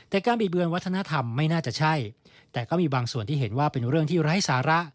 แต่การบิดเบือนวัฒนธรรมไม่น่าจะใช่แต่ก็มีบางส่วนที่เห็นว่าเป็นเรื่องที่ไร้สาระ